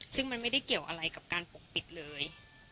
ซึ่งมันไม่ได้เกี่ยวอะไรกับการปกปิดเลย